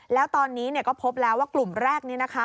แล้วตอนนี้ก็พบแล้วว่ากลุ่มแรกนี้นะคะ